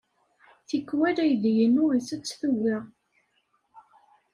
Tikkwal, aydi-inu isett tuga.